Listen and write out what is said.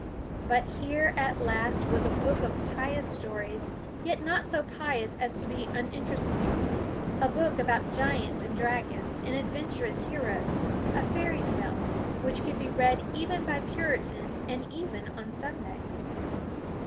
But here, at last, was a book of pious stories, yet not so pious as to be uninteresting; a book about giants and dragons, and adventurous heroes, a fairy tale, which could be read even by Puritans, and even on Sunday!